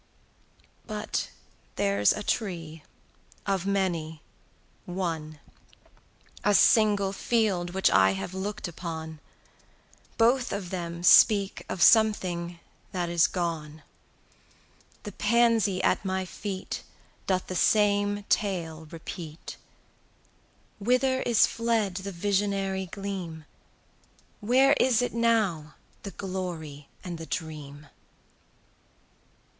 —But there's a tree, of many, one, A single field which I have look'd upon, Both of them speak of something that is gone: The pansy at my feet 55 Doth the same tale repeat: Whither is fled the visionary gleam? Where is it now, the glory and the dream?